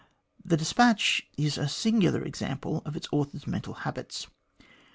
The despatch is a singular example of its author's mental habits.